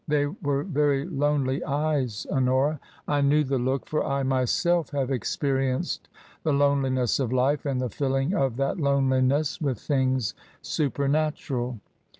They were very lonely eyes, Honora ; I knew the look, for I, myself, have experienced the loneliness of life and the filling of that loneliness with things super natural.